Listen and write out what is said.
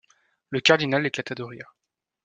Le cardinal éclata de rire.